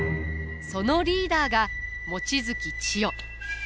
そのリーダーが望月千代。